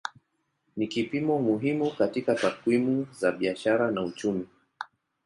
Ni kipimo muhimu katika takwimu za biashara na uchumi.